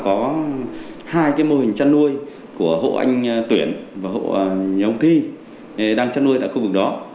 có hai cái mô hình trăn nuôi của hộ anh tuyển và hộ nhà ông thi đang trăn nuôi tại khu vực đó